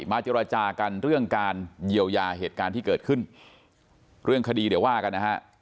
เจรจากันเรื่องการเยียวยาเหตุการณ์ที่เกิดขึ้นเรื่องคดีเดี๋ยวว่ากันนะฮะ